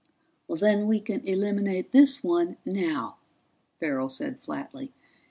"Then we can eliminate this one now," Farrell said flatly.